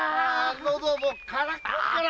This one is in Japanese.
のどもカラカラ！